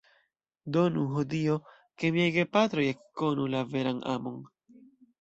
Donu, ho Dio, ke miaj gepatroj ekkonu la veran amon.